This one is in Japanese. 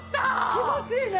気持ちいいね。